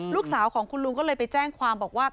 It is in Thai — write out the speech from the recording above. ลูกสาวของคุณลุงก็เลยไปแจ้งความบอกว่า